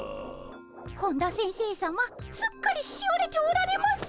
本田先生さますっかりしおれておられます。